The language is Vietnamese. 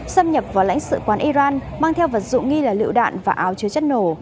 xâm nhập vào lãnh sự quán iran mang theo vật dụng nghi là lựu đạn và áo chứa chất nổ